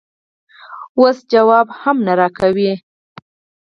اوس ځواب هم نه راکوې؟